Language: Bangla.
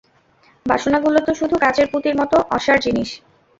বাসনাগুলো তো শুধু কাচের পুঁতির মত অসার জিনিষ।